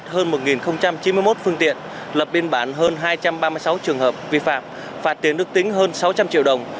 trạm cảnh sát giao thông ninh hòa đã dừng kiểm soát hơn một chín mươi một phương tiện lập biên bản hơn hai trăm ba mươi sáu trường hợp vi phạm phạt tiền được tính hơn sáu trăm linh triệu đồng